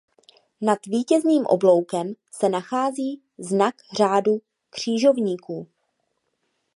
Nad vítězným obloukem se nachází znak řádu křižovníků.